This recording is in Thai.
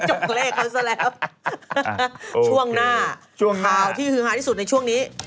โอเคช่วงหน้าข่าวที่หายที่สุดในช่วงนี้ขัวที่หายที่สุดในช่วงนี้